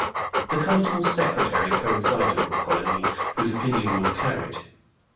The constable's secretary coincided with Coligny, whose opinion was carried.